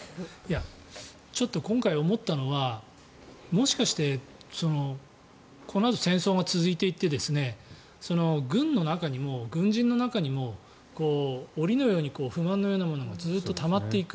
ちょっと今回思ったのはもしかしてこのあと戦争が続いていって軍人の中にも不満のようなものがずっとたまっていく。